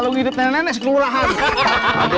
lu hidup nenek nenek sekurang kurangnya